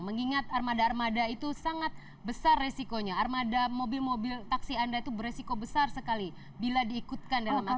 mengingat armada armada itu sangat besar resikonya armada mobil mobil taksi anda itu beresiko besar sekali bila diikutkan dalam arti